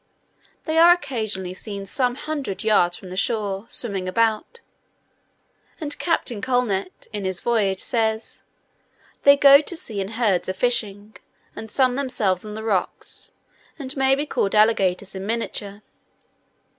They are occasionally seen some hundred yards from the shore, swimming about; and Captain Collnett, in his Voyage says, "They go to sea in herds a fishing, and sun themselves on the rocks; and may be called alligators in miniature."